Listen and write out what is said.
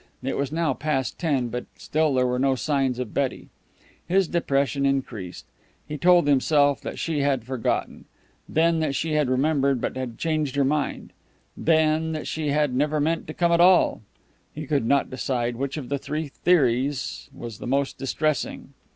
It was now past ten, but still there were no signs of Betty. His depression increased. He told himself that she had forgotten. Then, that she had remembered, but had changed her mind. Then, that she had never meant to come at all. He could not decide which of the three theories was the most distressing.